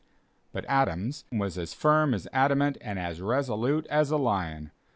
But Adams was as firm as adamant and as resolute as a lion.